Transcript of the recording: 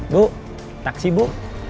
bu taksi bu